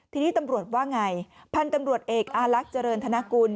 ทีนี้ตำรวจว่าไงพันธุ์ตำรวจเอกอารักษ์เจริญธนกุล